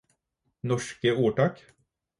Norske ordtak